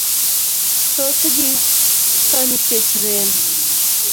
Thothgi tho nikech rem.